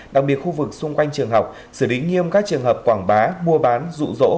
đặc biệt khu vực xung quanh trường học xử lý nghiêm các trường hợp quảng bá mua bán rụ rỗ